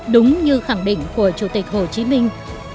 đúng như khẳng định của chủ tịch hồ chí minh